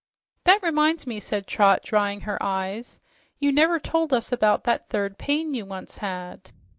"That reminds me," said Trot, drying her eyes, "you never told us about that third pain you once had."